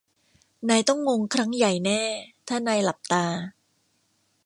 นายต้องงงครั้งใหญ่แน่ถ้านายหลับตา